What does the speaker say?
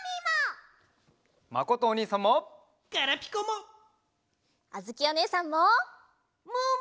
まことおにいさんも。